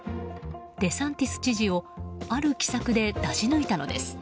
デサンティス知事をある奇策で出し抜いたのです。